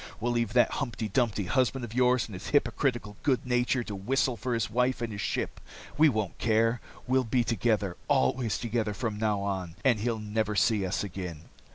We'll leave that humpty dumpty husband of yours and his hypocritical good nature to whistle for his wife and his ship. We won't care. We'll be together, always together from now on, and he'll never see us again."